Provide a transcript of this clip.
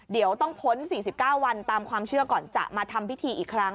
เดี๋ยวต้องพ้น๔๙วันตามความเชื่อก่อนจะมาทำพิธีอีกครั้ง